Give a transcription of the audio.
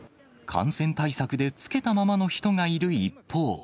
感染対策で着けたままの人がいる一方。